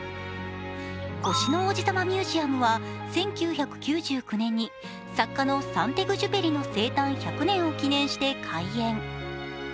星の王子さまミュージアムは１９９９年に作家のサン＝テグジュペリ生誕１００年を記念して開園。